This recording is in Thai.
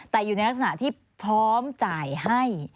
แต่อยู่ในลักษณะที่พร้อมจ่ายให้